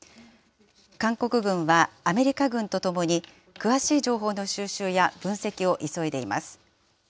韓国軍はアメリカ軍とともに、詳しい情報の収集や分析を急いでいます。